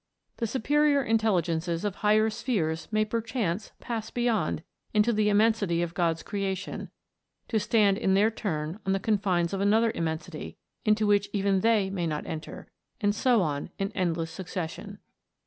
The superior intelligences of higher spheres may perchance pass beyond into the immensity of God's creation, to stand in their turn on the confines of another immensity, into which even they may not enter and so on in end less succession.